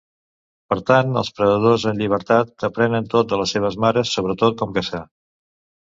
Per tant, els predadors en llibertat aprenen tot de les seves mares, sobretot com caçar.